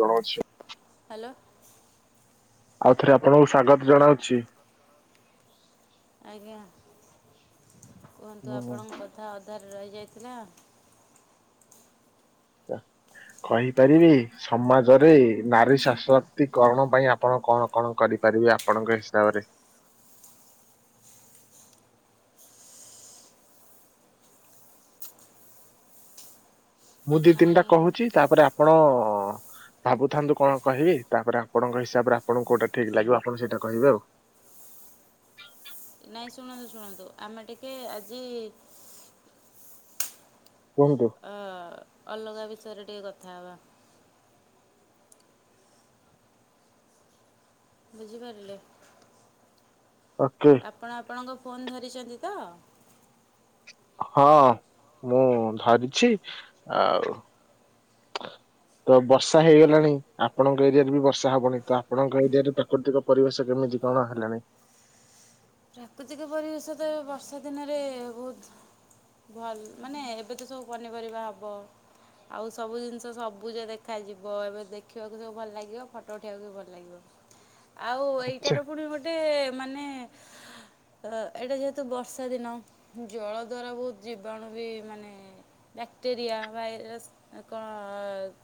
ଜଣ‌ଉଛି hello. ଆଉଥରେ ଆପଣଙ୍କୁ ସ୍ଵାଗତ ଜଣାଉଛି। ଆଜ୍ଞା କୁହନ୍ତୁ ହୁଁ। ଆପଣଙ୍କ କଥା ଅଧାରେ ରହିଯାଇଥିଲା। କହିପାରିବି ସମାଜରେ ନାରୀ ଶଶକ୍ତିକରଣ ପାଇଁ ଆପଣ କଣ କଣ କରିପାରିବେ ଆପଣଙ୍କ ହିସାବରେ ମୁଁ ଦି ତିନିଟା ନାଇଁ କୋହୁଚି ତାପରେ ଆପଣ ଭାବୁଥାନ୍ତୁ କଣ କହିବି ତାପରେ ଆପଣଙ୍କ ହିସାବରେ ଆପଣଙ୍କୁ କୋଉଟା ଠିକ୍ ଲାଗିବ ଆପଣ ସେଇଟା କହିବେ ଆଉ। ନାଇଁ ଶୁଣନ୍ତୁ ଶୁଣନ୍ତୁ ଆମେ ଟିକେ ଆଜି କୁହନ୍ତୁ। ଅ-ଅଲଗା ବିଷୟରେ ଟିକେ କଥା ହବା। ବୁଝିପାରିଲେ। ଓକେ। ଆପଣ ଆପଣଙ୍କ ଫୋନ୍ ଧରିଛନ୍ତି ତ? ହଁ ମୁଁ ଧରିଛି ଆଉ ତ ବର୍ଷା ହେଇଗଲାଣି ଆପଣଙ୍କ ଏରିଆରେ ବି ବର୍ଷା ହବଣି ତ ଆପଣଙ୍କ ଏରିଆ ରେ ପ୍ରାକୃତିକ ପରିବେଶ କେମିତି କଣ ହେଲାଣି। ପ୍ରାକୃତିକ ପରିବେଶ ତ ବର୍ଷା ଦିନରେ ବହୁତ ଭଲ ମାନେ ଏବେ ତ ସବୁ ପନିପରିବା ହବ। ଆଉ ସବୁ ଜିନିଷ ସବୁଜ ଦେଖାଯିବ ଏବେ ଦେଖିବାକୁ ସବୁ ଭଲ ଲାଗିବ ଫଟୋ ଉଠାଇବାକୁ ବି ଭଲ ଲାଗିବ। ଆଉ ଆଚ୍ଛା ଏଇଟାର ପୁଣି ଗୋଟେ ମାନେ ତ ଏଇଟା ଯେହେତୁ ବର୍ଷା ଦିନ ଜଳ ଦ୍ୱାରା ବହୁତ ଜୀବାଣୁ ବି ମାନେ ବ୍ୟାକ୍ଟେରିଆ ଭାଇରସ୍ କଣ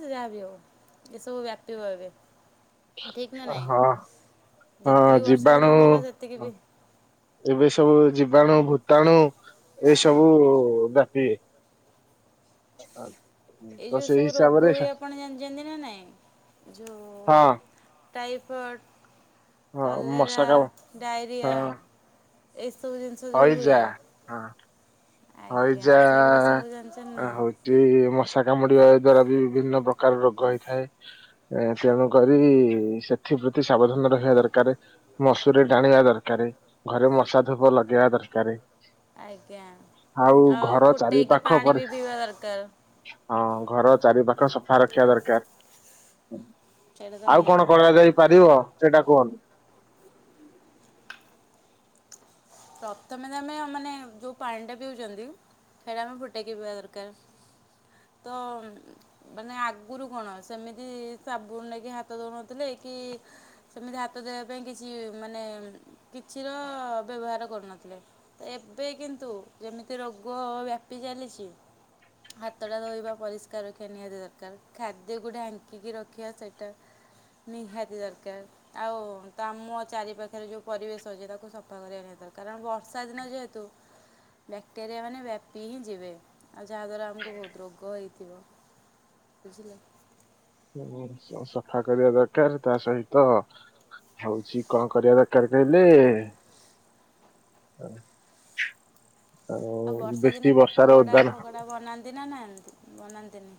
ସେ ଯାହାବି ହଉ ଏସବୁ ବ୍ୟାପିବ ଏବେ। ଠିକ୍ ନା ନାଇଁ ଯେତିକି ବର୍ଷା ଦିନ ଜିବାଣୁ ଭଲ ସେତିକି ବି ଏବେ ସବୁ ଜୀବାଣୁ ଭୂତାଣୁ ଏସବୁ ବ୍ୟାପିବେ। ଏଇ ତ ଯୋଉ ସେଇ ସବୁ ହିସାବରେ ରୋଗ ହୁଏ ଆପଣ ଜାଣିଛନ୍ତି ନା ନାଇଁ ଯୋଉ ହଁ ଟାଇଫଏଡ଼୍ ହଁ ମଶା କଲେରା କାମୁ ହଁ ଡାଇରିଆ ଏଇସବୁ ଜିନିଷ ଯୋଉ ହୁଏ ହଇଜା ହଁ ଆଜ୍ଞା ହଇଜା ସେଇଗୁଡ଼ା ସବୁ ଜାଣିଛନ୍ତି ଆ ନା ହଉ ଜେ ମଶା କାମୁଡିବା ଦ୍ଵାରା ବି ବିଭିନ୍ନ ପ୍ରକାର ରୋଗ ହେଇଥାଏ। ଏ ତେଣୁକରି ସେଥିପ୍ରତି ସାବଧାନ ରହିବା ଦରକାରେ। ମଶୁରୀ ଟଣିବା ଦରକାର ଘରେ ମଶା ଧୂପ ଲଗେଇବା ଦରକାର। ଆଜ୍ଞା ଆଉ ଘର ଚାରି ଫୁଟେଇକି ପାଖ ପାଣି ପରି ବି ପିଇବା ଦରକାର। ହଁ ଘର ଚାରି ପାଖ ସଫା ରଖିବା ଦରକାର। ସେଇଟା ତ ଆଉ କଣ ନିହାତି ଦରକାର କରାଯାଇ ପାରିବ ସେଇଟା କୁହନ୍ତୁ? ପ୍ରଥମେ ତ ଆମେ ମାନେ ଯୋଉ ପାଣି ଟା ପିଉଛନ୍ତି ସେଇଟା ଆମେ ଫୁଟେଇକି ପିଇବା ଦରକାର। ତ। ମାନେ ଆଗରୁ କଣ ସେମିତି ସାବୁନ ନେଇକି ହାତ ଦଉନଥିଲେ କି ସେମିତି ହାତ ଧୋଇବା ପାଇଁ କିଛି ମାନେ କିଛିର ବ୍ୟବହାର କରୁନଥିଲେ ତ ଏବେ କିନ୍ତୁ ଯେମିତି ରୋଗ ବ୍ୟାପି ଚାଲିଛି ହାତଟା ଧୋଇବା ପରିଷ୍କାର ରଖିବା ନିହାତି ଦରକାର ଖାଦ୍ୟକୁ ଢାଙ୍କିକି ରଖିବା ସେଟା ନିହାତି ଦରକାର। ଆଉ ତ ଆମ ଚାରି ପାଖରେ ଯୋଉ ପରିବେଶ ଅଛି ତାକୁ ସଫା କରିବା ନିହାତି ଦ କାରଣ ବର୍ଷା ଦିନ ଯେହେତୁ ବ୍ୟାକ୍ଟେରିଆ ମାନେ ବ୍ୟାପି ହିଁ ଯିବେ ଆଉ ଯାହାଦ୍ୱାରା ଆମକୁ ବହୁତ ରୋଗ ହେଇଥିବ ବୁଝିଲେ? ଘରସଫା କରିବା ଦରକାର, ତା ସହିତ ହଉଚି, କଣ କରିବା ଦରକାର କହିଲେ ହ ଆଉ ବର୍ଷା ଦିନେ ପକୋଡା ଫକୋଡା ବନାନ୍ତି ନା ନାଇଁ ବନାନ୍ତିନି?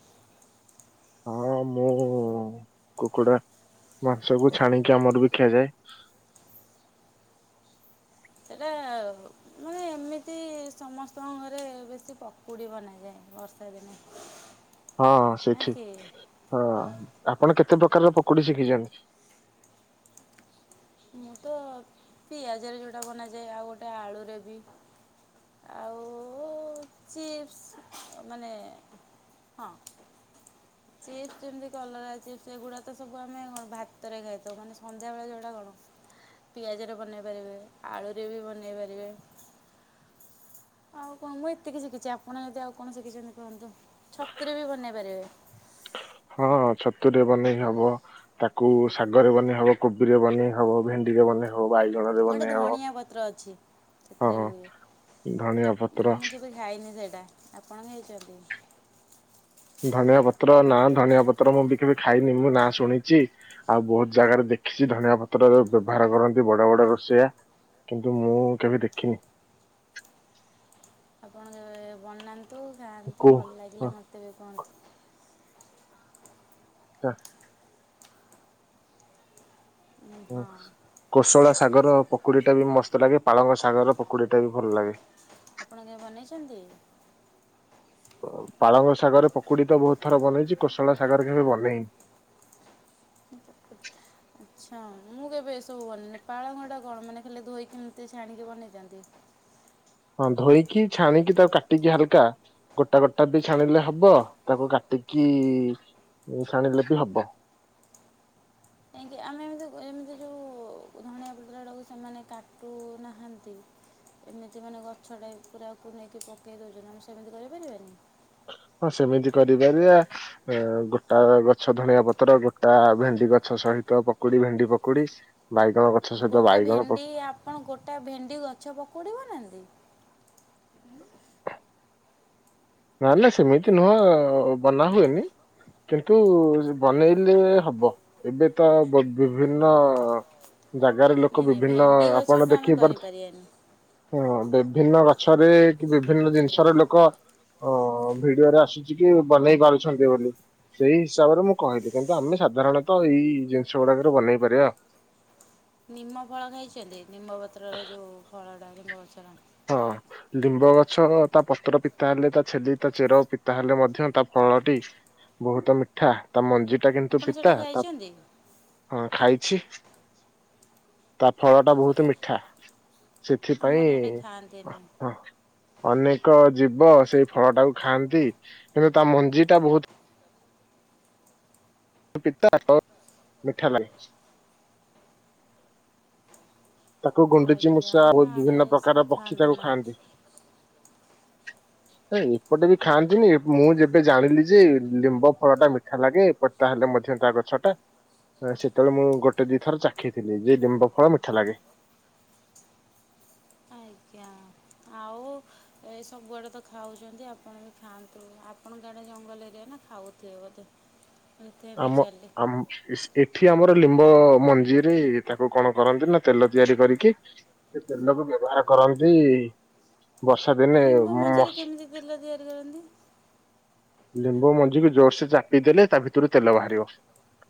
ହଁ ମୁଁ କୁକୁଡା ମାଂସକୁ, ଛାଣିକି ଆମର ବି ଖିଆଯାଏ। ସେଟା ମାନେ, ଏମିତି ସମସ୍ତଙ୍କ ଘରେ ବେଶୀ ପକୁଡ଼ି ବନାଯାଏ। ବର୍ଷାଦିନେ। ହଁ, ସେ ଠିକ, ହଁ ଆପଣ କେତେ ପ୍ରକାରର ପକୁଡି ଶିଖିଚନ୍ତି? ମୁଁ ତ, ପିଆଜରେ ଯେଉଁଟା ବନାଯାଏ, ଆଉ ଗୋଟେ ଆଳୁରେ ବି। ଆଉ ଚିପ୍ସ, ମାନେ ହଁ। ଚିପ୍ସ, ଯେମିତି କଲରା ଚିପ୍ସ, ଏଗୁଡ଼ା ତ ସବୁ ଆମେ ଭାତରେ ଖାଇଥାଉ, ମାନେ ସନ୍ଧ୍ୟାବେଳେ ଯେଉଁଟା କଣ। ପିଆଜରେ ବନେଇ ପାରିବେ, ଆଳୁରେ ବି ବନେଇ ପାରିବେ। ଆଉ କଣ, ମୁଁ ଏତିକି ଶିଖିଛି। ଆପଣ ଯଦି ଆଉ କଣ ଶିଖିଚନ୍ତି କୁହନ୍ତୁ? ଛତୁରେ ବି ବନେଇ ପାରିବ। ହଁ ଛତୁରେ ବନେଇ ହବ। ତାକୁ ଶାଗରେ ବନେଇ ହବ, କୋବିରେ ବନେଇ ହବ, ଭେଣ୍ଡିରେ ବନେ ଆଉ ବାଇଗଣରେ ଗୋଟେ ବନେଇ ହବ। ଧଣିଆ ପତ୍ର ଅଛି ସେଥିରେ ବି ହୁଏ ହଁ ଧଣିଆ ପତ୍ର ମୁଁ କେବେ ଖାଇନି ସେଇଟା ଆପଣ ଖାଇଚନ୍ତି? ଧଣିଆ ପତ୍ର ନା ଧନିଆ ପତ୍ର ମୁଁ ବିି କେବେ ଖାଇନି ମୁଁ ନାଁ ଶୁଣିଚି। ଆଉ ବହୁତ ଜାଗାରେ ଦେଖିସି ଧଣିଆ ପତ୍ରର ବ୍ୟବହାର କରନ୍ତି ବଡ ବଡ ରୋଷେଇଆ। କିନ୍ତୁ ମୁଁ କେବେ ଦେଖିନି। ଆପଣ ଯେବେ ବନାନ୍ତୁ ଖାଆନ୍ତୁ କୋ ଭଲ ଲାଗିଲେ ମତେ ବି କହନ୍ତୁ। ଟା ଉଁ, ହଁ କୋଶଳା ଶାଗର ପକୁଡିଟା ବି ମସ୍ତ ଲାଗେ ପାଳଙ୍ଗ ଶାଗର ପକୁଡିଟା ବି ଭଲ ଲାଗେ। ଆପଣ କେବେ ବନେଇଚନ୍ତି? ପ ପାଳଙ୍ଗ ଶାଗରେ ପକୁଡି ତ ବହୁତ ଥର ବନେଇଚି କୋଶଳା ଶାଗର କେବେ ବନେଇନି। ଆଛା ମୁଁ କେବେ ଏସବୁ ବନିନି ପାଳଙ୍ଗଟା କଣ ମାନେ ଖାଲି ଧୋଇକି ଏମିତି ଛାଣିକି ବନେଇଥାନ୍ତି? ହଁ ଧୋଇକି ଛାଣିକି ତାକୁ କାଟିକି ହାଲକା। ଗୋଟା ଗୋଟା ବି ଛାଣିଲେ ହବ ତାକୁ କାଟିକି ଛାଣିଲେ ବି ହବ। କାହିଁକି ଆମେ ଏମିତି ଏମିତି ଯୋଉ ଧଣିଆ ପତ୍ରଟାକୁ ସେମାନେ କାଟୁନାହାନ୍ତି ଏମିତି ମାନେ ଗଛଟାକୁ ପୁରାକୁ ନେଇକି ପକେଇ ଦଉଚନ୍ତି ଆମେ ସେମିତି କରି ପାରିବାନି? ହଁ, ସେମିତି କରିପାରିବା। ଏ ଗୋଟା ଗଛ ଧଣିଆ ପତ୍ର ଗୋଟା ଭେଣ୍ଡି ଗଛ ସହିତ ପକୁଡି ଭେଣ୍ଡି ପକୁଡି ବାଇଗଣ ଗ ଗୋଟେ ଭେଣ୍ଡି ଆପଣ ଗୋଟା ଭେଣ୍ଡି ଗଛ ପକୁଡ଼ି ବନାନ୍ତି? ନାଲେ ସେମିତି ନୁହଁ ବନା ହୁଏନି। କିନ୍ତୁ ବନେଇଲେ ହବ। ଏବେ ତ ବିଭିନ୍ନ ଜାଗାରେ ନାଇଁ ଲୋକ ନାଇଁ ବିଭିନ୍ନ ଭେଣ୍ଡି ଆପଣ ଗଛଟା ଆମେ ଦେଖେଇ ପାରୁଥିବେ କରିପାରିବାନି ହଁ ବିଭିନ୍ନ ଗଛରେ କି ବିଭିନ୍ନ ଜିନିଷରେ ଲୋକ ଅ ଭିଡିଓରେ ଆସୁଚିକି ବନେଇ ପାରୁଛନ୍ତି ବୋଲି। ସେଇ ହିସାବରେ ମୁଁ କହିଲି କିନ୍ତୁ ଆମେ ସାଧାରଣତଃ ଏଇ ଜିନିଷ ଗୁଡାକରେ ବନେଇ ପାରିବା। ନିମ ଫଳ ଖାଇଛନ୍ତି? ନିମ୍ବପତ୍ରର ଯଉ ଫଳଟା ନିମଗଛର। ହଁ। ଲିମ୍ବ ଗଛର ତା ପତ୍ର ପିତା ହେଲେ, ତା ଛେଲି, ତା ଚେର ପିତା ହେଲେ ମଧ୍ୟ ତା ଫଳଟି ବହୁତ ମିଠା‌ ତା ମଞ୍ଜିଟା କିନ୍ତୁ ଆପଣ ସେଇଟା ପିତା ତା ଖାଇଛନ୍ତି ହଁ ଖାଇଛି ତା ଫଳଟା ବହୁତ ମିଠା‌। ସେଥି ପାଇଁ ଖାନ୍ତିିନି। ହଁ ଅନେକ ଜୀବ ସେଇ ଫଳଟାକୁ ଖାଆନ୍ତି କିନ୍ତୁ ତା ମଞ୍ଜିଟା ବହୁତ ପିତାତ ମିଠା ଲାଗେ ଚ୍। ତାକୁ ଗୁଣ୍ଡୁଚି ଆଜ୍ଞା ମୂଷା ଆମ ବହୁତ୍ ଆଡ଼େ ବିଭିନ୍ନ ପ୍ରକାର ସବୁ ପକ୍ଷୀ ତାକୁ ନା ଖାଆନ୍ତି। ଏ ଏପଟେ ବି ଖାଆନ୍ତିନି ମୁଁ ଯେବେ ଜାଣିଲି ଯେ ଲିମ୍ବ ଫଳ ଟା ମିଠା ଲାଗେ ଏପ୍ ତାହେଲେ ମଧ୍ୟ ତା ଗଛ ଟା ସେତେବେଳେ ମୁଁ ଗୋଟେ ଦିଇଥର ଚାଖି ଥିଲି ଯେ ଲିମ୍ବ ଫଳ ମିଠା ଲାଗେ। ଆଜ୍ଞା ଆଉ ଏଇ ସବୁଆଡ଼େ ତ ଖାଉଛନ୍ତି ଆପଣ ବି ଖାଆନ୍ତୁ ଆପଣଙ୍କ ଆଡ଼େ ଜଙ୍ଗଲ ଏରିଆ ନା ଖାଉଥିବେ ବୋଧେ? ସେଥିପାଇଁ ଆମ ପଚାରିଲି ଆମ ଇସ ଏଠି ଆମର ଲିମ୍ବ ମଞ୍ଜିରେ ତାକୁ କଣ କରନ୍ତି ନା ତେଲ ତିଆରି କରିକି ସେ ତେଲକୁ ବ୍ୟବହାର କରନ୍ତି ବର୍ଷା ଦିନେ ଲିମ୍ବ ମଞ୍ଜିରେ ମସ କେମିତି ତେଲ ତିଆରି କରନ୍ତି ଲିମ୍ବ ମଞ୍ଜି କୁ ଜୋରସେ ଚାପି ଦେଲେ ତା ଭିତରୁ ତେଲ ବାହାରିବ।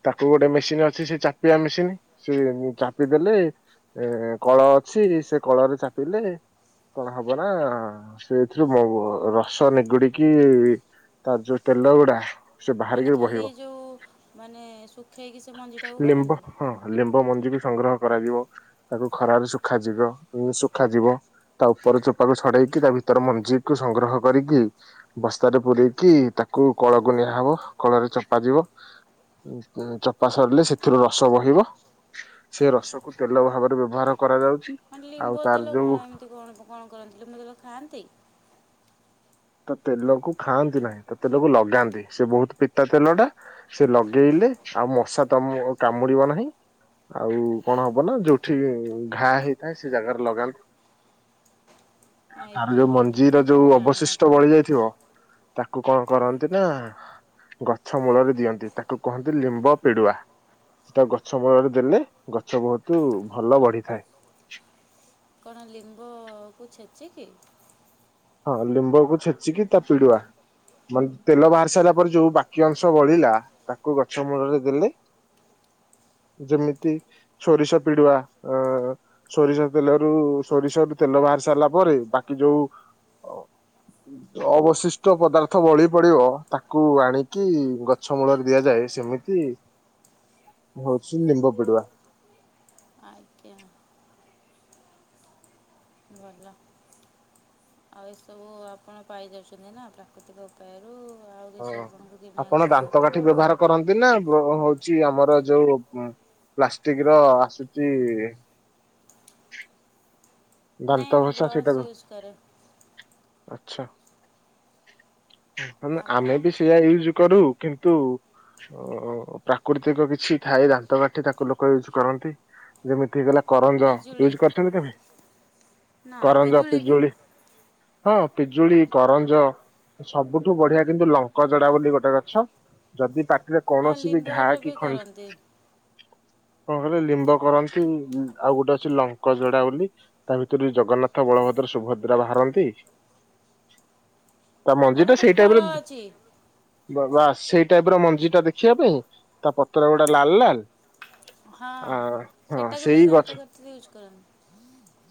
ତାକୁ ଗୋଟେ ମେସିନ୍ ଅଛି ସେ ଚାପିବା ମେସିନ ସେ ଚାପିଦେଲେ ଏ-ଏ କଳ ଅଛି ସେ କଳରେ ଚାପିଲେ କଣ ହବ ନା-ଆ-ଆ ସେଥିରୁ ମହୁ ରସ ନିଗୁଡିକି ତା ଯୁ ତେଲଗୁଡ଼ା ମାନେ ଖାଲି ଯେଉଁ-ଉ ମାନେ ଶୁଖେଇକି ସେ ମଞ୍ଜିଟାକୁ ଲିମ୍ବ କରନ୍ତି? ହଁ ଲିମ୍ବ ମଞ୍ଜି ବି ସଂଗ୍ରହ କରାଯିବ ତାକୁ ଖରାରେ ଶୁଖାଯିବ ପୁ ଶୁଖାଯିବ। ତା ଉପର ଚୋପାକୁ ଛଡେଇକି ତା ଭିତର ମଞ୍ଜିକୁୁ ସଂଗ୍ରହ କରିକି ବସ୍ତାରେ ପୁରେଇକି ତାକୁ କଳକୁ ନିଆହବ କଳରେ ଚପାଯିବ। ଉ-ଉ ଚପା ସାରିଲେ ସେଥିରୁ ରସ ବହିବ। ସେ ରସ କୁ ତେଲ ଭାବରେ ବ୍ୟବହାର କରାଯାଉଛି। ମାନେ ଆଉ ଲିମ୍ବ ତାର ତେଲ ଯୋଉ କଣ ଏମିତି କଣ କଣ କରନ୍ତି ଲିମ୍ବ ତେଲ ଖାଆନ୍ତି? ତା ତେଲକୁ ଖାଆନ୍ତି ନାହିଁ ତା ତେଲକୁ ଲଗାନ୍ତି ସେ ବହୁତ ପିତା ତେଲ ଟା। ସେ ଲଗେଇଲେ ଆଉ ମଶା ତମ-ଅ-ଅ କାମୁଡିବ ନାହିଁ। ଆଉ କଣ ହବ ନା ଯୋଉଠି ଘା ହେଇଥାଏ ସେ ଜାଗାରେ ଲଗାନ୍ ତାର ଆଜ୍ଞା ଯୋଉ ଆଜ୍ଞା ମୁଁ ମଞ୍ଜିର ଏସବୁ ଯୋଉ ଅବଶିଷ୍ ଜାଣିନଥିଲି ଟ ଥିବ ତାକୁ କଣ କରନ୍ତି ନା ଗଛ ମୂଳରେ ଦିଅନ୍ତି ତାକୁ କୁହନ୍ତି ଲିମ୍ବ ପିଡୁଆ। ସେଟା ଗଛ ମୂଳରେ ଦେଲେ ଗଛ ବହୁତ ଭଲ ବଢିଥାଏ। କଣ ଲିମ୍ବ-ଅ-ଅ-ଅକୁ ଛେଚି କିି? ହଁ ଲିମ୍ବକୁୁ ଛେଚିକି ତା ପିଡୁଆ। ମାନେ ତେଲ ବାହାରି ସାରିଲା ପରେ ଯୋଉ ବାକି ଅଂଶ ବଳିଲା ତାକୁ ଗଛ ମୂଳରେ ଦେଲେ ଯେମିତି ସୋରିଷ ପିଡୁଆ ଅ-ଅ-ଅ-ଅ--୍ ସୋରିଷ ତେଲରୁ-ଉ-ଉ-ଉ ସୋରିଷ ରୁ ତେଲ ବାହାରି ସାରିଲା ପରେ ବାକି ଯୋଉ ଓ ଅବଶିଷ୍ଟ ପଦାର୍ଥ ବଳି ପଡିବ ତାକୁ ଆଣିକି ଗଛ ଛ ମୂଳରେ ଦିଆଯାଏ ସେମିତି ହଉଛି ନିମ୍ବ ପିଡୁଆ। ଆଜ୍ଞା। ଭଲ। ଆଉ ଏସବୁ-ଉ-ଉ ଆପଣ ପାଇଯାଉଛନ୍ତି ନା ପ୍ରାକୃତିକ ଉପାୟରୁ ଆଉ ହଁ। କିଛି ଆପଣଙ୍କୁ ଆପଣ କିଣିବାକୁ ଦାନ୍ତ କାଠି ପଡୁନଥିବ। ବ୍ୟବହାର କରନ୍ତି ନା ବ ହଉଛି ଆମର ଯୋଉ ଉ ପ୍ଲାଷ୍ଟିକ ର ଆସୁଛି-ଇ-ଇ-ଇ ନାଇଁ ଦାନ୍ତ ମୁଁ ଘଷା ବ୍ରସ୍ ସେଇଟାକୁ ୟୁଜ୍ କରେ ଆଛା ଆମେ ଆପଣ ଆମେ ବି ସେୟା ୟୁଜୁ କରୁ କିନ୍ତୁ ଓ-ଓ-ଓ ପ୍ରାକୃତିକ କିଛି ଥାଏ ଦାନ୍ତ କାଠି ତାକୁ ଲୋକ ୟୁଜ କରନ୍ତି ଯେମିତି ହେଇଗଲା କରଞ୍ଜ ପିଜୁଳି ୟୁଜ୍ କରିଛନ୍ତି କେବେ? ନା କରଞ୍ଜ ବି ପିଜୁଳି ହଁ ପିଜୁଳି, କରଞ୍ଜ ସବୁଠୁ ବଢିଆ କିନ୍ତୁ ଲଙ୍କ ଜଡା ବୋଲି ଗୋଟେ ଗଛ ଯଦି ପାଟିରେ ଆଉ କୌଣସି ବି ଘା ଲିମ୍ବର କି କରନ୍ତି ଖଣ୍ଡ କଣ କହିଲେ ଲିମ୍ବ କରନ୍ତି ଆଉ ଗୋଟେ ଅଛି ଲଙ୍କ ଯୋଡ଼ା ବୋଲି। ତା ଭିତରୁ ଜଗନ୍ନାଥ ବଳଭଦ୍ର ସୁଭଦ୍ରା ବାହାରନ୍ତି। ତା ଆଉ ମଞ୍ଜି ଟା ଗୋଟେ ସେଇ ଫଳ ଟାଇପ୍ ର ଅଛି ବାବା ସେଇ ଟାଇପ୍ ର ମଞ୍ଜି ଟା ଦେଖିବା ପାଇଁ ତା ପତ୍ର ଗୁଡ଼ା ଲାଲ୍ ଲାଲ୍। ହଁ ସେଟାକୁ ସେଇ ବି ଗଛ ଦାନ୍ତକାଠି ରେ ୟୁଜ କର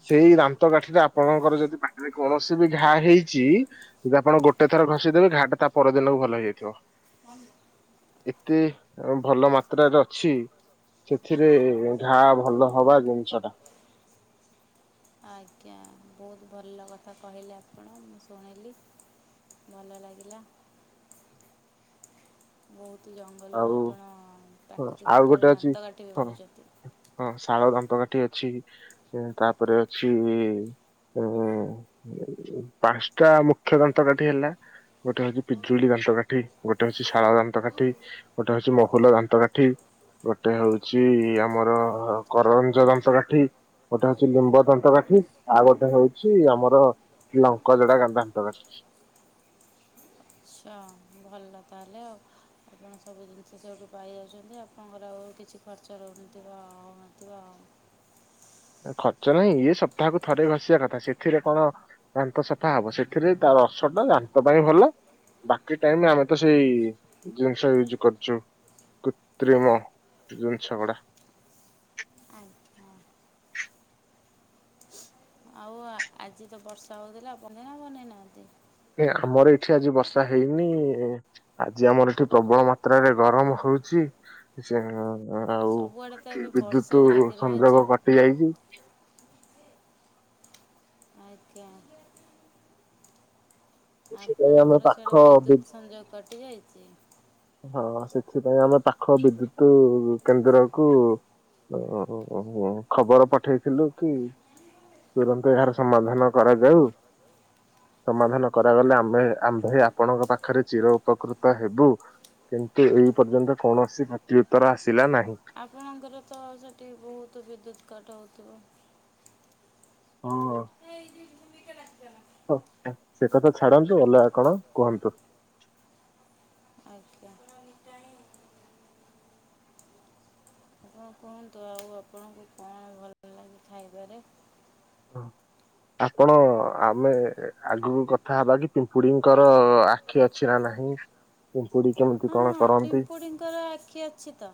ସେଇ ଦାନ୍ତକାଠି ଟା ଆପଣଙ୍କର ଯଦି ପାଟିରେ କୌଣସି ବି ଘା ହେଇଚି। ଯଦି ଆପଣ ଗୋଟେ ଥର ଘଷିଦେବେ ଘା ଟା ତା ପର ଦିନ କୁ ଭଲ ହେଇଯାଇଥିବ। ହନ୍ ଏତେ ଭଲ ମାତ୍ରାରେ ଅଛି ସେଥିରେ-ଏ-ଏ ଘା ଭଲ ହବା ଜିନିଷ ଟା। ଆଜ୍ଞା ବହୁତ୍ ଭଲ କଥା କହିଲେ ଆପଣ ମୁଁ ଶୁଣିଲି। ଭଲ ଲାଗିଲା। ବହୁତ୍ ଜଙ୍ଗଲ ରୁ ଆଉ ଆପଣ ହଁ, ପ୍ରାକୃତିକ ଆଉ ଉପାୟରେ ଗୋଟେ ଅଛି ଦାନ୍ତକାଠି ବି ହଁ ପାଉଚନ୍ତି। ହଁ ଶାଳ ଦାନ୍ତକାଠି ଅଛି। ତା ପରେ ଅଛି ପାଞ୍ଚଟା ମୁଖ୍ୟ ଦାନ୍ତକାଠି ହେଲା। ଗୋଟେ ହଉଚି ପିଜୁଳି ଦାନ୍ତକାଠି ଗୋଟେ ହଉଚି ଶାଳ ଦାନ୍ତକାଠି। ଗୋଟେ ହଉଚି ମହୁଲ ଦାନ୍ତକାଠି। ଗୋଟେ ହଉଚି ଆମର କରଞ୍ଜ ଦାନ୍ତକାଠି। ଗୋଟେ ହଉଛି ଲିମ୍ବ ଦନ୍ତକାଠି ଆଉ ଗୋଟେ ହଉଚି ଆମର ଲଙ୍କଜଡ଼ା ଦାନ୍ତକାଠି। ଅ ଭଲ ତାହେଲେ ଆଉ। ଆପଣ ସବୁ ଜିନିଷ ସେଇଠୁ ପାଇଯାଉଛନ୍ତି। ଆପଣଙ୍କର ଆଉ କିଛି ଖର୍ଚ୍ଚ ରହୁନଥିବ ହଉନଥିବ। ଖର୍ଚ୍ଚ ନାହିଁ ଇଏ ସପ୍ତାହ କୁ ଥରେ ଘଷିବା କଥା, ସେଥିରେ କଣ ଦାନ୍ତ ସଫା ହବ। ସେଥିରେ ତାବରସ ଟା ଦାନ୍ତ ପାଇଁ ଭଲ। ବାକି ଟାଇମ୍ ଆମେ ତ ସେଇ ଜିନିଷ ୟୁଜ୍ କରୁଚୁ। କୃତ୍ରିମ ଜିନିଷ ଗୁଡ଼ା। ଆଜ୍ଞା। ଆଉ ଆଜି ତ ବର୍ଷା ହଉଥିଲା। ବନେଇ ନା ବନେଇ ନାହାନ୍ତି? ଏ ଆମର ଏଠି ଆଜି ବର୍ଷା ହେଇନି। ଆଜି ଆମର ଏଠି ପ୍ରବଳ ମାତ୍ରାରେ ଗରମ୍ ହଉଚି। ସେ ଆଉ ସବୁଆଡ଼େ ତ ଏଠି ଏବେ ବର୍ଷା ବିଦ୍ୟୁତୁ ଲାଗି ରହିଛି ସଂଯୋଗ କଟି ଯାଇଚି। ଆଜ୍ଞା। ସେଥିପାଇଁ ଆମେ ଆପଣଙ୍କର ସେଆଡ଼େ ପାଖ ବି ବିଦ୍ୟୁତ୍ ସଂଯୋଗ କଟିଯାଇଚି? ହଁ। ସେଥିପାଇଁ ଆମେ ପାଖ ବିଦ୍ୟୁତୁ କେନ୍ଦ୍ରକୁ [unintelligible] ଖବର ପଠେଇଥିଲୁ କି ତୁରନ୍ତ ଏହାର ସମାଧାନ କରାଯାଉ। ସମାଧାନ କରାଗଲେ ଆମେ ଆମ୍ଭେ ଆପଣଙ୍କ ପାଖରେ ଚିର ଉପକୃତ ହେବୁ। କିନ୍ତୁ ଏଇ ପର୍ଯ୍ୟନ୍ତ କୌଣସି ପ୍ରତି ଉତ୍ତର ଆସିଲା ନାହିଁ। ଆପଣଙ୍କର ତ ସେଠି ବହୁତ୍ ବିଦ୍ୟୁତ୍ କଟ୍ ହୋଉଥିବ? ହଁ। [unintelligible] ସେ କଥା ଛାଡନ୍ତୁ ଅଲଗା କଣ କୁହନ୍ତୁ। ଆଜ୍ଞା। ଆପଣ କୁହନ୍ତୁ ଆଉ ଆପଣଙ୍କୁ କଣ ଭଲଲାଗେ ଖାଇବାରେ? ହଁ। ଆପଣ ଆମେ ଆଗକୁ କଥା ହେବା କି ପିମ୍ପୁଡିଙ୍କର ଆଖି ଅଛି ନା ନାହିଁ? ପିମ୍ପୁଡ଼ି କେମିତି ହଁ କଣ ହଁ କରନ୍ତି ପିମ୍ପୁଡ଼ିଙ୍କର ଆଖି ଅଛି ତ।